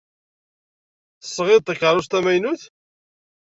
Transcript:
Tesɣid-d takeṛṛust tamaynut?